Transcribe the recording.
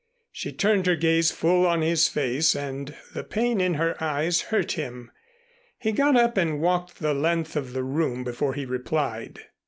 She turned her gaze full on his face and the pain in her eyes hurt him. He got up and walked the length of the room before he replied.